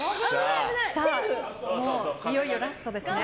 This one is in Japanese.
いよいよラストですね。